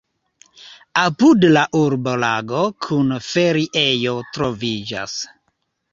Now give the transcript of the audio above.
Apud la urbo lago kun feriejo troviĝas.